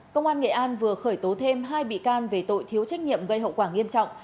công an nghệ an vừa khởi tố thêm hai bị can về tội thiếu trách nhiệm gây hậu quả nghiêm trọng